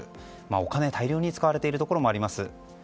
お金、大量に使われているところもあります。